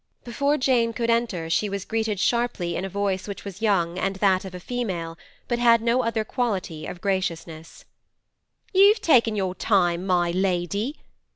Before Jane could enter she was greeted sharply in a voice which was young and that of a female, but had no other quality of graciousness. 'You've taken your time, my lady!